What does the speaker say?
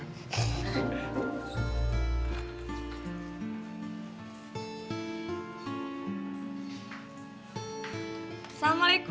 udah laras masuk ya